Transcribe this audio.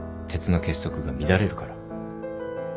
鉄の結束が乱れるから。